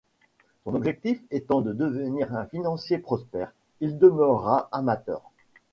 Son objectif étant de devenir un financier prospère, il demeura amateur.